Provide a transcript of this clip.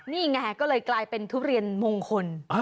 นี่ไงก็เลยกลายเป็นทุเรียนมงคล